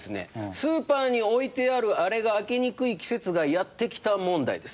スーパーに置いてあるあれが開けにくい季節がやってきた問題です。